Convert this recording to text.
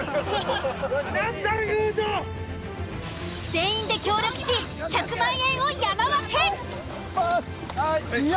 ［全員で協力し１００万円を山分け！］